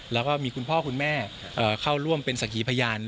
แล้วก็มีคุณพ่อคุณแม่เข้าร่วมเป็นสักขีพยาน